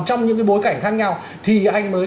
trong những cái bối cảnh khác nhau thì anh mới